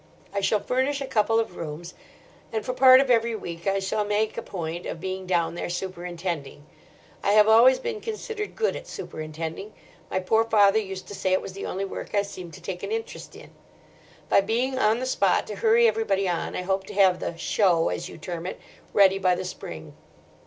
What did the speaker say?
I shall furnish a couple of rooms; and for part of every week I shall make a point of being down there, superintending. I have always been considered good at superintending. My poor father used to say it was the only work I seemed to take an interest in. By being on the spot to hurry everybody on I hope to have the 'show,' as you term it, ready by the spring."